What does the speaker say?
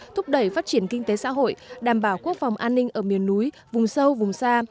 thúc đẩy phát triển kinh tế xã hội đảm bảo quốc phòng an ninh ở miền núi vùng sâu vùng xa